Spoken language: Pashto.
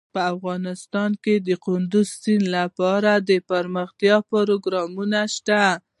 افغانستان کې د کندز سیند لپاره دپرمختیا پروګرامونه شته.